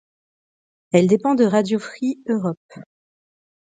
Elle dépend de Radio Free Europe.